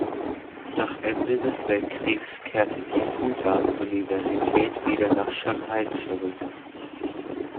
Nach Ende des Weltkriegs kehrte die Fudan-Universität wieder nach Shanghai zurück.